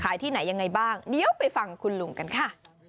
ที่ไหนยังไงบ้างเดี๋ยวไปฟังคุณลุงกันค่ะ